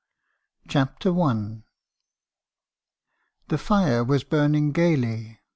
CHAPTEE L The fire was. burning gaily.